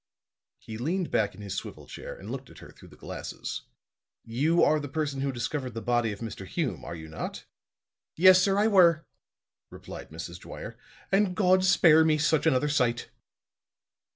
He leaned back in his swivel chair and looked at her through the glasses. "You are the person who discovered the body of Mr. Hume, are you not?" "Yes, sir, I were," replied Mrs. Dwyer; "and God spare me such another sight."